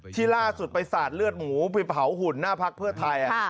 ล่าสุดไปสาดเลือดหมูไปเผาหุ่นหน้าพักเพื่อไทย